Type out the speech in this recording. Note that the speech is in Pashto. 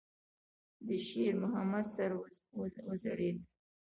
د شېرمحمد سر وځړېد.